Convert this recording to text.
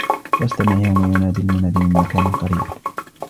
وَاسْتَمِعْ يَوْمَ يُنَادِ الْمُنَادِ مِنْ مَكَانٍ قَرِيبٍ